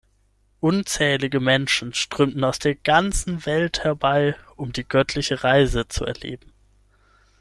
Unzählige Menschen strömen aus der ganzen Welt herbei, um die göttliche Reise zu erleben.